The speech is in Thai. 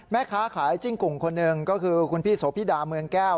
แม่ค้าขายจิ้งกุ่งคนหนึ่งก็คือคุณพี่โสพิดาเมืองแก้ว